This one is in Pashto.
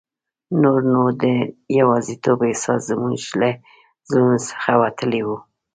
نور نو د یوازیتوب احساس زموږ له زړونو څخه وتلی وو.